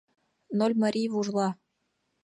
Нольмарий вужла.